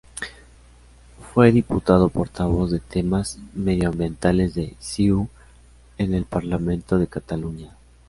Fue diputado portavoz de temas medioambientales de CiU en el Parlamento de Cataluña.